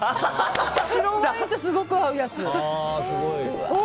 白ワインとすごく合うやつ。